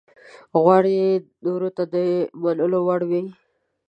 غواړي نورو ته د منلو وړ وي.